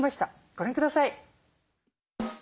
ご覧ください。